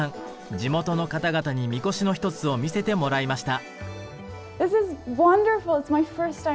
地元の方々にみこしの一つを見せてもらいました。